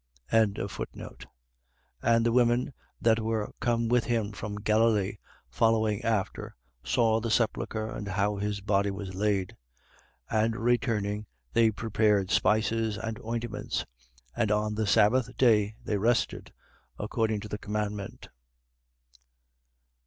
23:55. And the women that were come with him from Galilee, following after, saw the sepulchre and how his body was laid. 23:56. And returning, they prepared spices and ointments: and on the sabbath day they rested, according to the commandment.